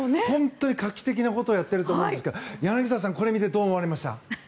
本当に画期的なことをやっていると思うんですけど柳澤さん、これ見てどう思われました？